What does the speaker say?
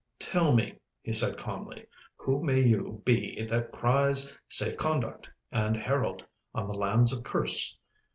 'Tell me,' he said calmly, 'who may you be that cries "Safe Conduct!" and "Herald!" on the lands of Kerse?